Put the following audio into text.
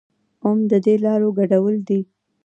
اووم ددې لارو ګډول دي.